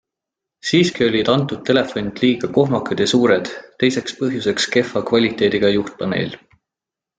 Siiski olid antud telefonid liiga kohmakad ja suured, teiseks põhjuseks kehva kvaliteediga juhtpaneel.